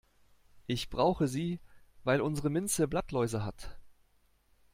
Ich brauche sie, weil unsere Minze Blattläuse hat.